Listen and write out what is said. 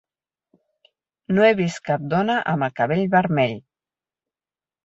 No he vist cap dona amb el cabell vermell.